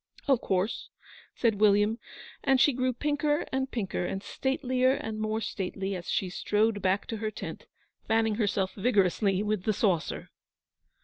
'Of course,' said William; and she grew pinker and pinker and statelier and more stately, as she strode back to her tent, fanning herself vigorously with the saucer.